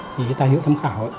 thì tài liệu tham khảo